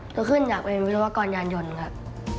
ก็ขึ้นจากเป็นวิศวกรยานยนต์ครับ